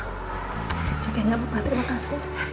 gak apa apa terima kasih